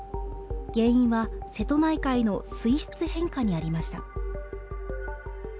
原因は、瀬戸内海の水質変化にありました。